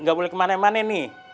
nggak boleh kemana mana nih